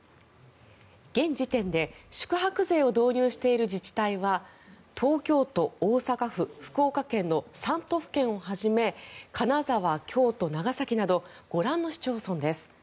現時点で宿泊税を導入している自治体は東京都、大阪府、福岡県の３都府県をはじめ金沢、京都、長崎などご覧の市町村です。